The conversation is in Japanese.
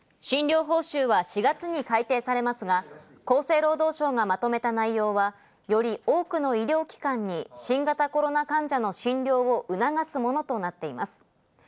診療報酬は４月に改定されますが、厚生労働省がまとめた内容はより多くの医療機関に新型コロナ患者の診療を促すものとなっています。